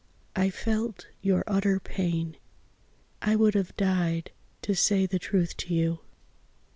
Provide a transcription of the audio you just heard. I felt your utter pain. I would have died to say the truth to you.